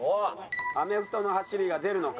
アメフトの走りが出るのか？